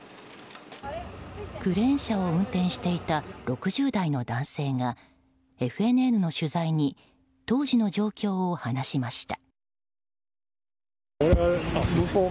クレーン車を運転していた６０代の男性がＦＮＮの取材に当時の状況を話しました。